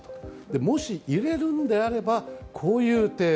もし入れるんであればこういう提案